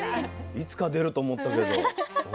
いつか出ると思ったけど。